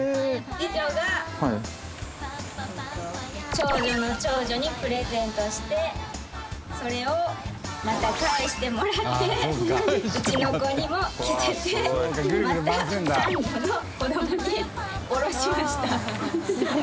次女が長女の長女にプレゼントしてそれをまた返してもらってうちの子にも着せてまた３女の子供に下ろしました。